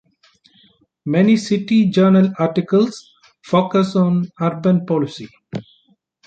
Many "City Journal" articles focus on urban policy.